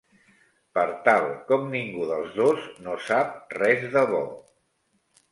Per tal com ningú dels dos no sap res de bo;